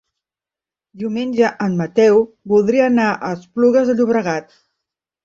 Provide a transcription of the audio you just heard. Diumenge en Mateu voldria anar a Esplugues de Llobregat.